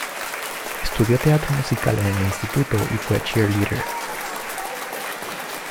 Estudió teatro musical en el instituto y fue cheerleader.